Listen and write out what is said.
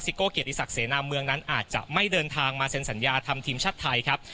โก้เกียรติศักดิเสนาเมืองนั้นอาจจะไม่เดินทางมาเซ็นสัญญาทำทีมชาติไทยครับ